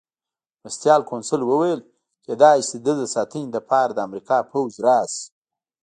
مرستیال کونسل وویل: کېدای شي د ده د ساتنې لپاره د امریکا پوځ راشي.